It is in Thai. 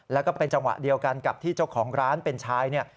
แล้วก็เป็นจังหวะเดียวกันกับที่เจ้าของร้านเป็นชายเนี่ย